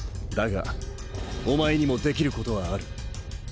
だがお前にもできることはある。